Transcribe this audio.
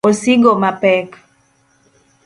osigo mapek.